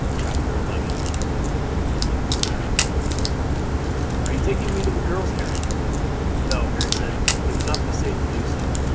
CHAPTER XI Marie and Victor "Are you taking me to the girls, Harry?" "No," Harry said. "It would not be safe to do so.